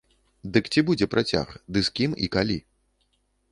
Дык ці будзе працяг ды з кім і калі?